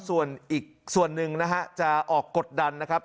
ส่วนอีกส่วนหนึ่งนะฮะจะออกกดดันนะครับ